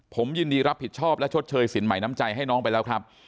ผมยินดีรับผิดชอบและชดเชยสินใหม่น้ำใจให้น้องไปแล้วครับ